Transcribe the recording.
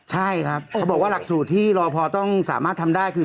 ใช่ครับเขาบอกว่ารักศูนย์ที่รอบพอต้องทำได้คือ